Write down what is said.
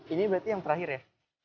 ini berarti yang terakhir ya